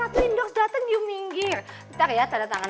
tunggu ya tanda tangan